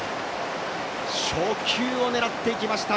初球を狙っていきました